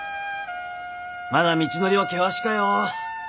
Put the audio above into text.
まだ道のりは険しかよ。